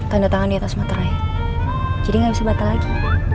tanda tangan diatas materai jadi gak bisa batal lagi